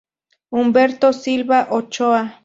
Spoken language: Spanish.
Humberto Silva Ochoa.